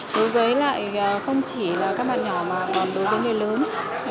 đối với lại không chỉ các bạn nhỏ mà còn đối với người lớn